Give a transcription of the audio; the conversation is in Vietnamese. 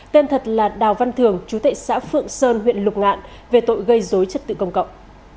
tên thật là đào văn thường chú tệ xã phượng sơn huyện lục ngạn về tội gây dối trật tự công cộng